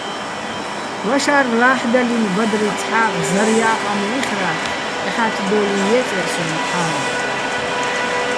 ...ვაშა́რ ლა́ჰ̦დალინო̆ ბადრი ცჰ̦ა́ღ ზარო̆ ჲა́ყაჼ მე იხრა́თხ, ჰ̦ა́თდო́ლიჼ ჲე́წერ სო́ჼ თა́მარო̆.